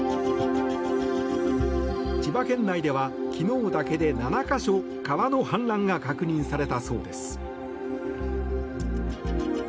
千葉県内では昨日だけで７か所川の氾濫が確認されたそうです。